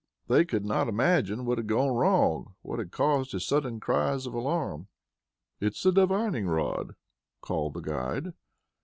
They could not imagine what had gone wrong what had caused his sudden cries of alarm. "It's the divining rod!" called the guide.